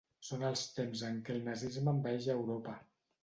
Són els temps en què el nazisme envaeix Europa.